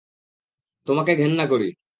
তোমাকে ঘেন্না করি।